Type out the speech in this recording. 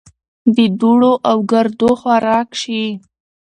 د دوړو او ګردو خوراک شي .